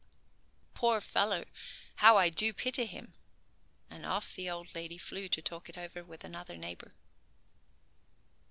Poor fellow, how I do pity him," and off the old lady flew to talk it over with another neighbor.